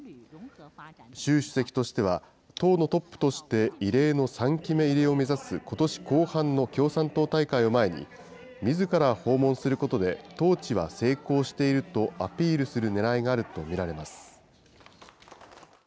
習主席としては、党のトップとして異例の３期目入りを目指すことし後半の共産党大会を前に、みずから訪問することで、統治は成功しているとアピールするねらいがあると見られます。